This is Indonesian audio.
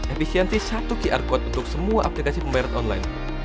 efisientist satu qr code untuk semua aplikasi pembayaran online